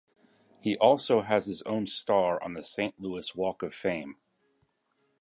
He also has his own star on the Saint Louis Walk of Fame.